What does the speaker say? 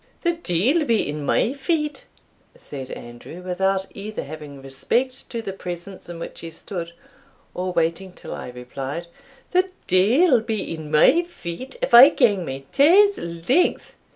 "The deil be in my feet," said Andrew, without either having respect to the presence in which he stood, or waiting till I replied "the deil be in my feet, if I gang my tae's length.